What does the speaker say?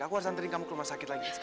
aku harus anterin kamu ke rumah sakit lagi